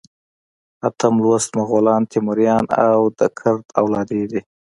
اتم لوست مغولان، تیموریان او د کرت اولادې دي.